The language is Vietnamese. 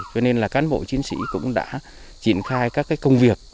cho nên là cán bộ chiến sĩ cũng đã triển khai các công việc